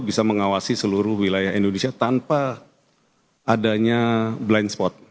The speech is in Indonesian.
bisa mengawasi seluruh wilayah indonesia tanpa adanya blind spot